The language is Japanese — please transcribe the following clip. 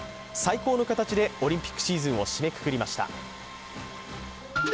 最高の形でオリンピックシーズンを締めくくりました。